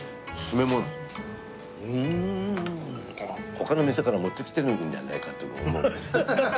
他の店から持ってきてるんじゃないかって思う。